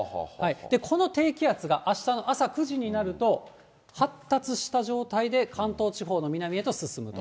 この低気圧があしたの朝９時になると、発達した状態で、関東地方の南へと進むと。